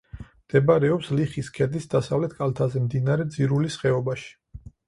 მდებარეობს ლიხის ქედის დასავლეთ კალთაზე, მდინარე ძირულის ხეობაში.